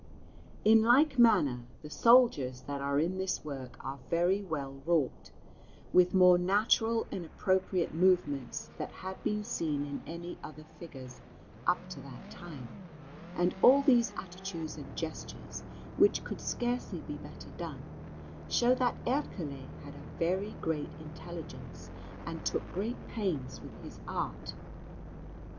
In like manner, the soldiers that are in this work are very well wrought, with more natural and appropriate movements than had been seen in any other figures up to that time; and all these attitudes and gestures, which could scarcely be better done, show that Ercole had a very great intelligence and took great pains with his art.